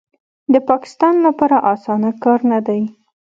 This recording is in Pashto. د پاکستان لپاره اسانه کار نه دی